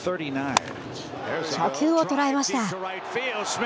初球を捉えました。